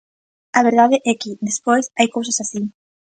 A verdade é que, despois, hai cousas así.